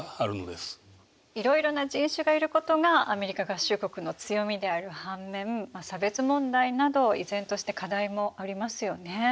いろいろな人種がいることがアメリカ合衆国の強みである反面差別問題など依然として課題もありますよね。